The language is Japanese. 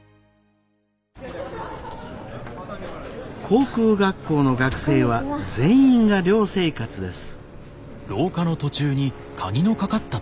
航空学校の学生は全員が寮生活です。